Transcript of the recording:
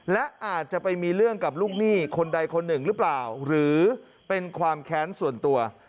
และอาจจะไปมีเรื่องกับลูกหนี้คนใดคนหนึ่งหรือเปล่าหรือเป็นความแค้นส่วนตัว